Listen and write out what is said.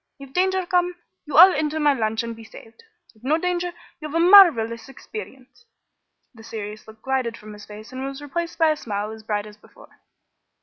If danger come, you all enter my launch and be saved. If no danger, you have a marvelous experience." The serious look glided from his face, and was replaced by a smile as bright as before.